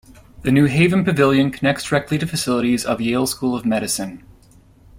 The New Haven Pavilion connects directly to facilities of Yale School of Medicine.